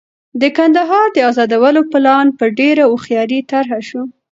د کندهار د ازادولو پلان په ډېره هوښیارۍ طرح شو.